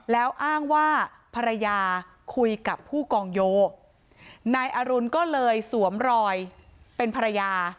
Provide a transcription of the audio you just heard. แล้วอ้างว่าภรรยาคุยกับผู้กองโยนายอรุณก็เลยสวมรอยเป็นภรรยา